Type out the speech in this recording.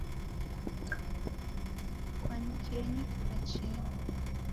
Kwanyikenyi kiw'achenyi